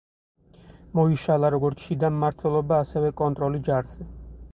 მოიშალა როგორც შიდა მმართველობა, ასევე კონტროლი ჯარზე.